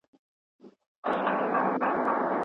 موږ منفي هم ښه زده کړې ده.